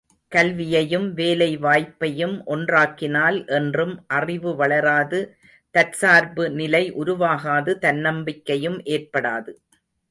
கல்வியையும் வேலை வாய்ப்பையும் ஒன்றாக்கினால் என்றும் அறிவு வளராது தற்சார்பு நிலை உருவாகாது தன்னம்பிக்கையும் ஏற்படாது.